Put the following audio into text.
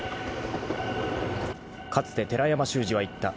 ［かつて寺山修司は言った。